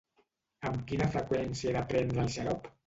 Amb quina freqüència he de prendre el xarop?